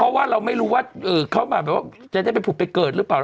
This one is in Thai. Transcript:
เพราะว่าเราไม่รู้ว่าเขามาแบบว่าจะได้ไปผุดไปเกิดหรือเปล่า